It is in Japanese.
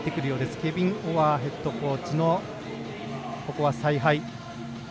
ケビン・オアーヘッドコーチの采配。